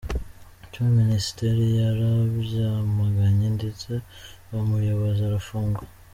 Icyo Minisiteri yarabyamaganye ndetse uwo muyobozi arafungwa.